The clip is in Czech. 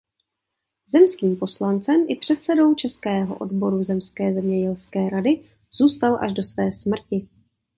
Zemským poslancem i předsedou českého odboru zemské zemědělské rady zůstal až do své smrti.